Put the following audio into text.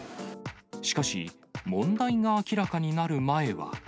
しかし、問題が明らかになる前は。